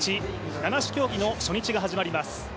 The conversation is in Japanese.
七種競技の初日が始まります。